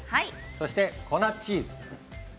そして粉チーズ。